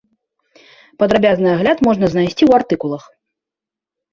Падрабязны агляд можна знайсці ў артыкулах.